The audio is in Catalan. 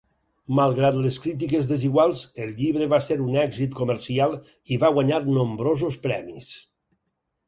Malgrat les crítiques desiguals, el llibre va ser un èxit comercial i va guanyar nombrosos premis.